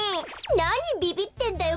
なにビビってんだよ